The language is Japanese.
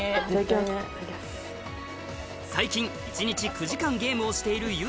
最近一日９時間ゲームをしているゆいＰ